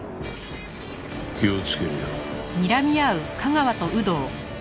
気をつけるよ。